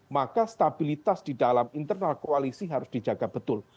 maka stabilitas di dalam internal koalisi harus dijaga betul